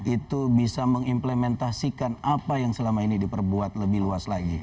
itu bisa mengimplementasikan apa yang selama ini diperbuat lebih luas lagi